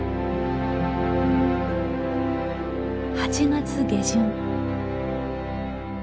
８月下旬。